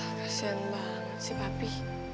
kasian banget sih papi